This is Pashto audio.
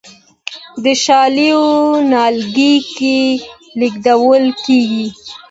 د شالیو نیالګي لیږدول کیږي.